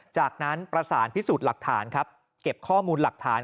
จากนั้นประสานพิสูจน์หลักฐานครับเก็บข้อมูลหลักฐาน